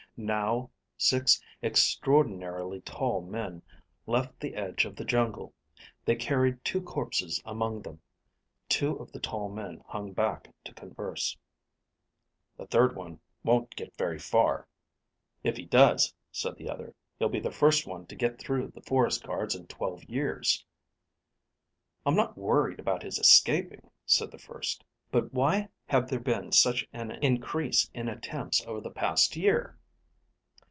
Now, six extraordinarily tall men left the edge of the jungle. They carried two corpses among them. Two of the tall men hung back to converse. "The third one won't get very far." "If he does," said the other, "he'll be the first one to get through the forest guards in twelve years." "I'm not worried about his escaping," said the first. "But why have there been such an increase in attempts over the past year?"